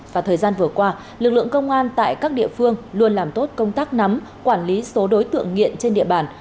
và thời gian vừa qua lực lượng công an tại các địa phương luôn làm tốt công tác nắm quản lý số đối tượng nghiện trên địa bàn